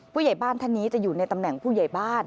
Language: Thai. ผู้ใหญ่บ้านท่านนี้จะอยู่ในตำแหน่งผู้ใหญ่บ้าน